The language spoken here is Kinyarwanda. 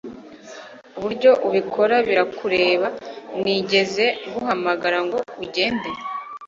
uburyo ubikora birakureba. nigeze nguhamagara ngo ugende